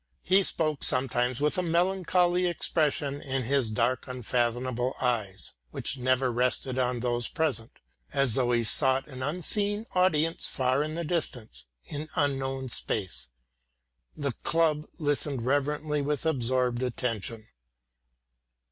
He spoke sometimes with a melancholy expression in his dark unfathomable eyes, which never rested on those present, as though he sought an unseen audience far in the distance, in unknown space. The club listened reverently with absorbed attention.